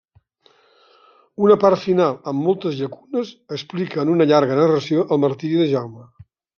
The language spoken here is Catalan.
Una part final, amb moltes llacunes, explica en una llarga narració, el martiri de Jaume.